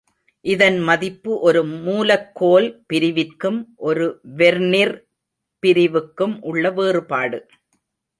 இதன் மதிப்பு ஒரு மூலக்கோல் பிரிவிற்கும் ஒரு வெர்னிர் பிரிவுக்கும் உள்ள வேறுபாடு.